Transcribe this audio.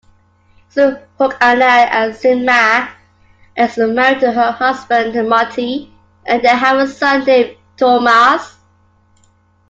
Isohookana-Asunmaa is married to her husband Martti, and they have a son named Tuomas.